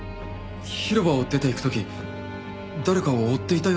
広場を出ていく時誰かを追っていたように見えました。